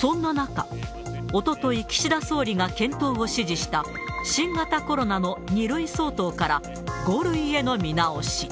そんな中、おととい岸田総理が検討を指示した、新型コロナの２類相当から５類への見直し。